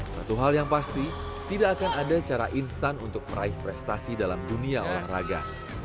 satu hal yang pasti tidak akan ada cara instan untuk meraih prestasi dalam dunia olahraga